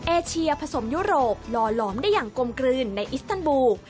เอเชียผสมยุโรปหล่อหลอมได้อย่างกลมกลืนในอิสตันบูล